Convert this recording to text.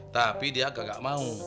tapi dia gak mau